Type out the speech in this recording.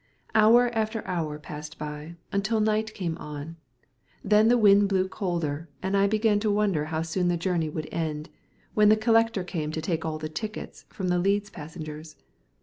Hour after hour passed by, until night came on; then the wind blew colder, and I began to wonder how soon the journey would end, when the collector came to take all the tickets from the Leeds passengers.